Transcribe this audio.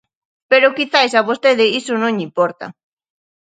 Pero quizais a vostede iso non lle importa.